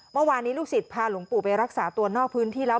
เมื่อวานนี้ลูกศิษย์พาหลวงปู่ไปรักษาตัวนอกพื้นที่แล้ว